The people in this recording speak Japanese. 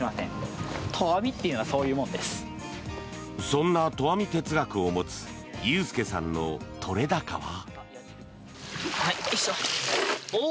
そんな投網哲学を持つ裕介さんの取れ高は。